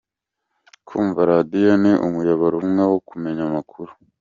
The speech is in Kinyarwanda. Kumva radiyo ni umuyoboro umwe wo kumenya amakuru.